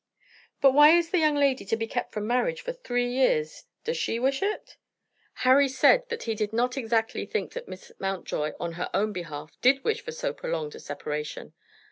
"But why is the young lady to be kept from marriage for three years? Does she wish it?" Harry said that he did not exactly think that Miss Mountjoy, on her own behalf, did wish for so prolonged a separation.